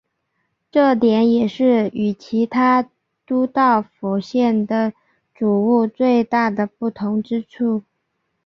这点也是与其他都道府县的煮物最大的不同之处。